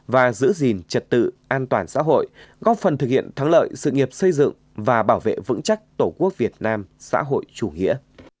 và giữ gìn trật tự an toàn xã hội góp phần thực hiện thắng lợi sự nghiệp xây dựng và bảo vệ vững chắc tổ quốc việt nam xã hội chủ nghĩa